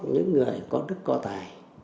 những người có đức có tài